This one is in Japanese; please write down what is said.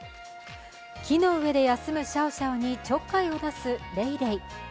木の上で休むシャオシャオにちょっかいを出すレイレイ。